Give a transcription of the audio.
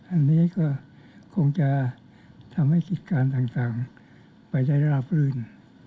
อันนี้ก็คงจะทำให้กิจการต่างไปใช้ราบรื่น